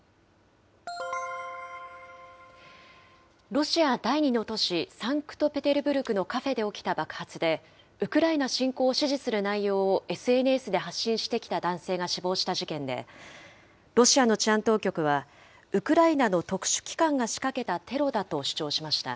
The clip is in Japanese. ロシア第２の都市サンクトペテルブルクのカフェで起きた爆発で、ウクライナ侵攻を支持する内容をＳＮＳで発信してきた男性が死亡した事件で、ロシアの治安当局は、ウクライナの特殊機関が仕掛けたテロだと主張しました。